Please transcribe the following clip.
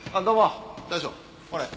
大将これ。